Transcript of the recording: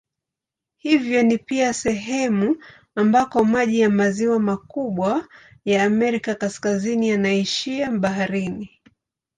Hivyo ni pia sehemu ambako maji ya maziwa makubwa ya Amerika Kaskazini yanaishia baharini.